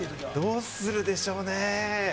どうするでしょうね。